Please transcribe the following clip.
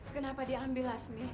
kenapa diambil asmi